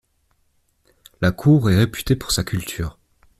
La cour est réputée pour sa culture.